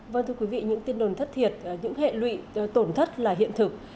vâng thưa quý vị những tin đồn thất thiệt những hệ lụy tổn thất là hiện thực